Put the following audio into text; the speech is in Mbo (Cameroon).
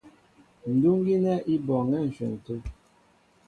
Ndúŋ gínɛ́ í bɔɔŋɛ́ á ǹshwɛn tê.